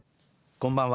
こんばんは。